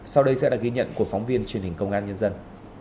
sau đây sẽ là ghi nhận của phóng viên truyền hình công an nhân dân